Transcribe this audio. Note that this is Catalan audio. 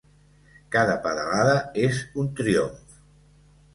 Cada pedalada és un triomf.